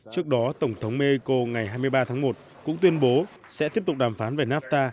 trước đó tổng thống mexico ngày hai mươi ba tháng một cũng tuyên bố sẽ tiếp tục đàm phán về nafta